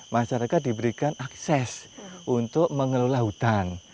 masyarakat diberikan akses untuk mengelola hutan